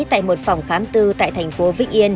tại một phòng khám tư tại thành phố vĩnh yên